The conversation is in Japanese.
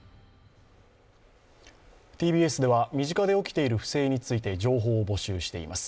ＴＢＳでは、身近で起きている不正について情報を募集しています。